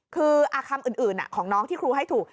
คือคำอื่นของน้องที่ครูให้ถูก